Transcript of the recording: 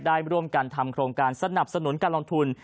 ได้ร่วมกันทำโครงการสนับสนุนการลงทุน